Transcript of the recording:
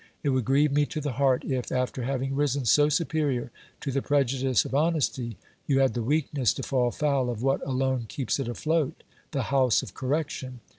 It would grieve me to the heart if, after having risen so superior to the prejudice of honesty, you had the weakness to fall foul of what alone keeps it afloat, the house of correction.